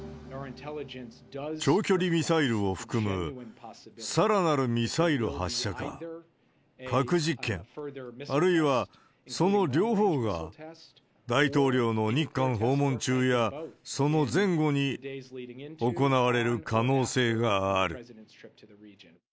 長距離ミサイルを含むさらなるミサイル発射か、核実験、あるいはその両方が大統領の日韓訪問中や、その前後に行われる可能性がある。